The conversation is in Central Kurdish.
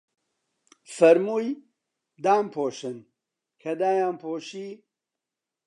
فەرمووی: دام پۆشن، کە دایان پۆشی